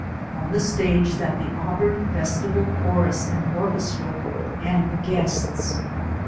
On the stage sat the Auburn Festival Chorus and Orchestra and the guests.